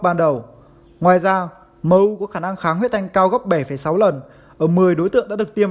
ban đầu ngoài ra mẫu có khả năng kháng huyết thanh cao gấp bảy sáu lần ở một mươi đối tượng đã được tiêm